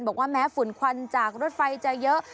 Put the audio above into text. บอกว่าแม้ฝุ่นควันจากรถไฟจะเยอะ